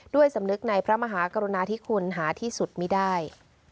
สำนึกในพระมหากรุณาที่คุณหาที่สุดไม่ได้